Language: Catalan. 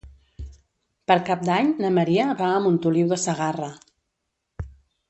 Per Cap d'Any na Maria va a Montoliu de Segarra.